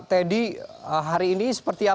jadi hari ini seperti apa